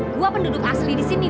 gua penduduk asli tersenyum